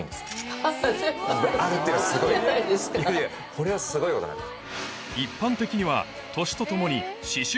これはすごいことなんです。